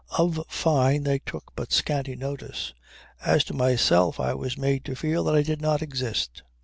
Of Fyne they took but scanty notice. As to myself I was made to feel that I did not exist.